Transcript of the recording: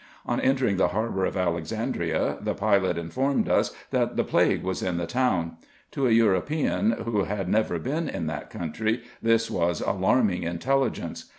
On entering the harbour of Alexandria, the pilot informed us, that the plague was in the town. To a European, who had never been in that country, this was alarming intelligence.